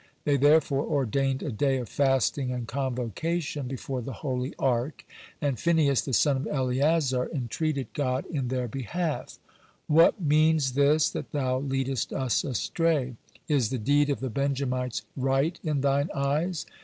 They therefore ordained a day of fasting and convocation before the holy Ark, and Phinehas the son of Eleazar entreated God in their behalf: "What means this, that Thou leadest us astray? Is the deed of the Benjamites right in Thine eyes?